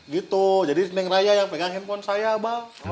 gitu jadi senin raya yang pegang handphone saya bang